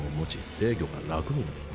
制御が楽になった。